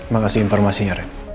makasih informasinya ren